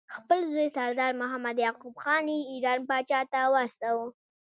خپل زوی سردار محمد یعقوب خان یې ایران پاچا ته واستاوه.